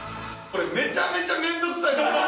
これめちゃめちゃ面倒くさい。